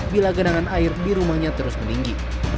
bila genangan air di rumahnya terus meninggi